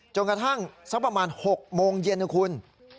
กระทั่งสักประมาณ๖โมงเย็นนะคุณ